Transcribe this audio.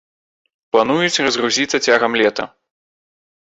Плануюць разгрузіцца цягам лета.